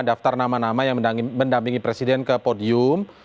daftar nama nama yang mendampingi presiden ke podium